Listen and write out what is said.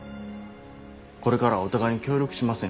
これからはお互いに協力しませんか？